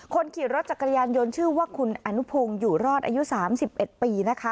คนขี่รถจักรยานยนต์ชื่อว่าคุณอนุพงศ์อยู่รอดอายุ๓๑ปีนะคะ